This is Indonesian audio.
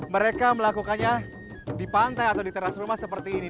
mereka melakukannya di pantai atau di teras rumah seperti ini